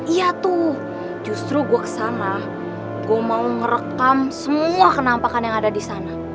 iya tuh justru gua ke sana gua mau ngerekam semua kenampakan yang ada di sana